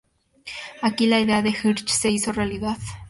Aquí la idea de Hirsch se hizo realidad.